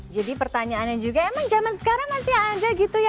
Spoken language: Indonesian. jadi pertanyaannya juga emang zaman sekarang masih ada gitu ya